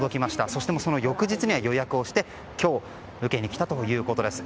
そして、その翌日には予約をして今日、受けに来たということです。